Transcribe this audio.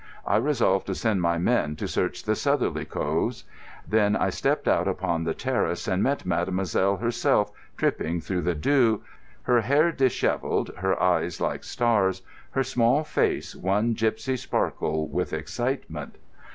I resolved to send my men to search the southerly coves. Then I stepped out upon the terrace and met mademoiselle herself tripping through the dew, her hair dishevelled, her eyes like stars, her small face one gipsy sparkle with excitement.